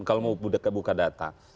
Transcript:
kalau mau buka data